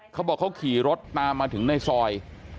เขาบอกเขาขี่รถตามมาถึงในซอย